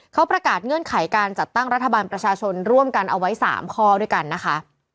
เขาประกาศเงื่อนไขการจัดตั้งรัฐบาลประชาชนร่วมกันเอาไว้๓ข้อด้วยกันนะคะ